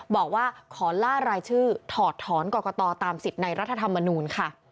บอกว่าขอล่ารายชื่อถอดถอนกรกตตามสิทธิ์ในรัฐธรรมนูลค่ะ